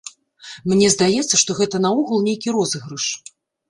Мне здаецца, што гэта наогул нейкі розыгрыш!